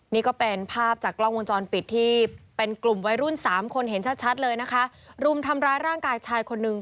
นี่ก็เป็นภาพจากกล้องวงจรปิดที่เป็นกลุ่มวัยรุ่นสามคนเห็นชัดชัดเลยนะคะรุมทำร้ายร่างกายชายคนนึง